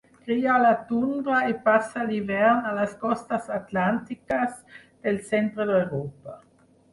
Cria a la tundra i passa l'hivern a les costes atlàntiques del centre d'Europa.